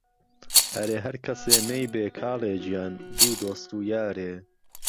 ئهرێ ههر کهسێ نهیبێ کاڵێ گیان دوو دۆست و یارێ